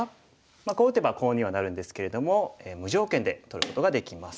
こう打てばコウにはなるんですけれども無条件で取ることができます。